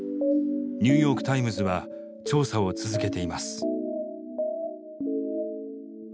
ニューヨーク・タイムズは調査を続けています。